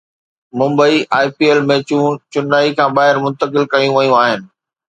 Mumbai I P L ميچون چنائي کان ٻاهر منتقل ڪيون ويون آهن